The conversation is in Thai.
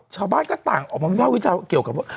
ชาวบ้านก็ต่างออกมาวิภาควิจารณ์เกี่ยวกับว่า